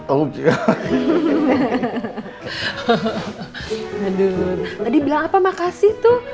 oh aduh tadi bilang apa makasih tuh